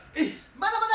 まだまだ。